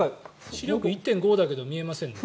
視力１．５だけど見えませんね。